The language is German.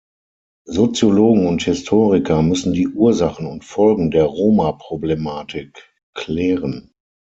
Soziologen und Historiker müssen die Ursachen und Folgen der Roma-Problematik klären.